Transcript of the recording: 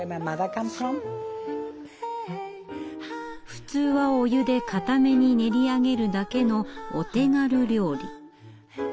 普通はお湯でかために練り上げるだけのお手軽料理。